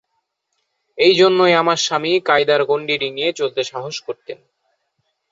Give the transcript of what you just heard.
এইজন্যেই আমার স্বামী কায়দার গণ্ডি ডিঙিয়ে চলতে সাহস করতেন।